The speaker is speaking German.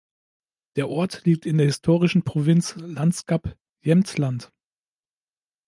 Der Ort liegt in der historischen Provinz "(landskap)" Jämtland.